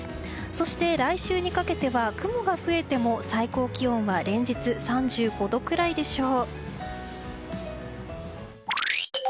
そして、来週にかけては雲が増えても最高気温は連日、３５度くらいでしょう。